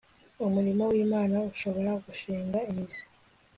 umurimo wImana ushobora gushinga imizi